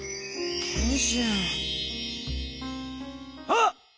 あっ！